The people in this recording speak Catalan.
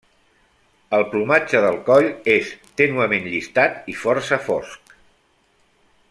El plomatge del coll és tènuement llistat i força fosc.